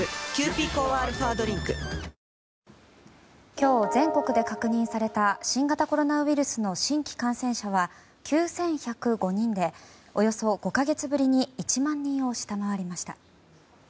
今日、全国で確認された新型コロナウイルスの新規感染者は９１０５人でおよそ５か月ぶりに１万人を下回りました。